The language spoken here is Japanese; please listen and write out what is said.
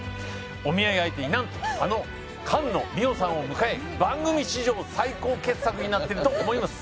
お見合い相手になんとあの菅野美穂さんを迎え番組史上最高傑作になってると思います。